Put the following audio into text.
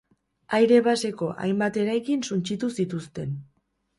Aire baseko hainbat eraikin suntsitu zituzten.